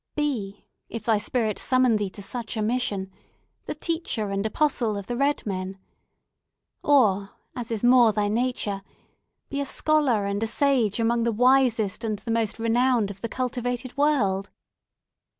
Be, if thy spirit summon thee to such a mission, the teacher and apostle of the red men. Or, as is more thy nature, be a scholar and a sage among the wisest and the most renowned of the cultivated world.